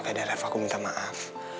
oke deh ref aku minta maaf